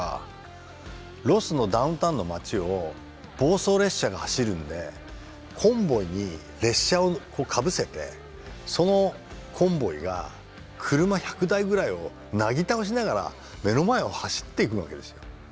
ロスのダウンタウンの街を暴走列車が走るんでコンボイに列車をかぶせてそのコンボイが車１００台ぐらいをなぎ倒しながら目の前を走っていくわけですよ。